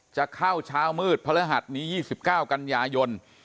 จะเข้าเช้ามืดพระรหัสนี้ยี่สิบเก้ากันยายน